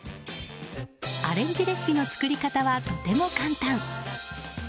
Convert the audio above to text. アレンジレシピの作り方はとても簡単。